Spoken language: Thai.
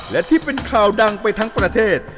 และที่เป็นข่าวดังไปทั้งประเทศ